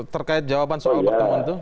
terkait jawaban soal pertemuan itu